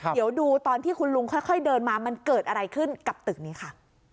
เดี๋ยวดูตอนที่คุณลุงค่อยเดินมามันเกิดอะไรขึ้นกับตึกนี้ค่ะ